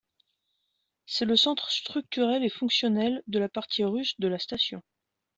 C'est le centre structurel et fonctionnel de la partie russe de la station.